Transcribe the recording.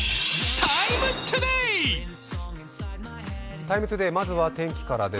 「ＴＩＭＥ，ＴＯＤＡＹ」、まずは天気からです。